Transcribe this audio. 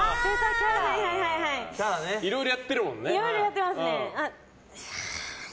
いろいろやってるもんね。